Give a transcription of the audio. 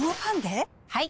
はい！